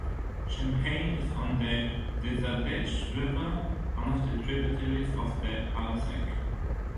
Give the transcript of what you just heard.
Champagne is on the Dezadeash River, one of the tributaries of the Alsek.